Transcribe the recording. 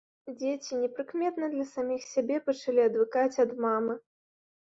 Дзеці непрыкметна для саміх сябе пачалі адвыкаць ад мамы.